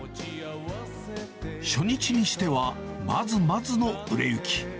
初日にしては、まずまずの売れ行き。